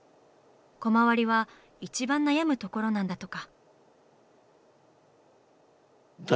コマ割りは一番悩むところなんだとか。